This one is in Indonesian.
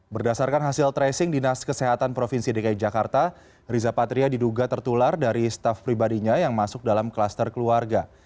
berdasarkan hasil tracing dinas kesehatan provinsi dki jakarta riza patria diduga tertular dari staff pribadinya yang masuk dalam kluster keluarga